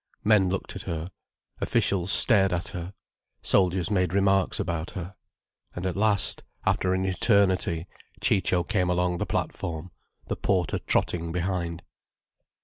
Men looked at her, officials stared at her, soldiers made remarks about her. And at last, after an eternity, Ciccio came along the platform, the porter trotting behind.